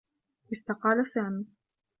استقال سامي.